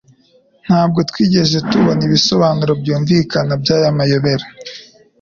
Ntabwo twigeze tubona ibisobanuro byumvikana byamayobera.